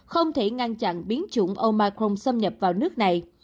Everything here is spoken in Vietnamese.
không thể ngăn chặn biến chủng omacron xâm nhập vào nước này